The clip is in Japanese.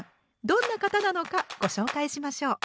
どんな方なのかご紹介しましょう。